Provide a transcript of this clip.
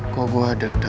kok gue deg degan ya